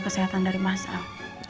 kesehatan dari mas al